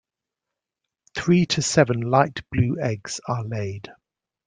Three to seven light blue eggs are laid.